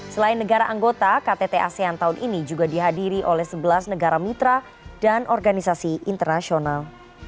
selain negara anggota ktt asean tahun ini juga dihadiri oleh sebelas negara mitra dan organisasi internasional